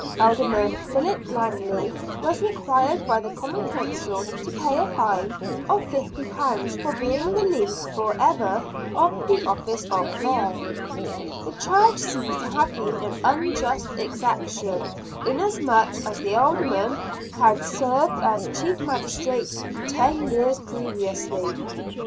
In February, 1592, Alderman Philip Langley was re quired by the Common Council to pay a fine of £50 for being relieved for ever of the office of Mayor. The charge seems to have been an unjust exaction, inasmuch as the Alderman had served as chief magistrate ten years previously.